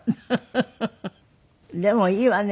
でもいいわね